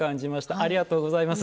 ありがとうございます。